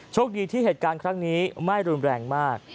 โชคดีที่เหตุการณ์ครั้งนี้ไม่รุนแรงมาก